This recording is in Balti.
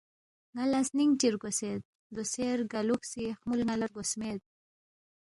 نالا سنینگ چی رگوسید دوسہ رگالوکھسی خمول نالا رگوسمید